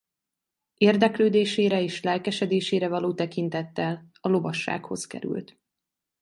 Érdeklődésére és lelkesedésére való tekintettel a lovassághoz került.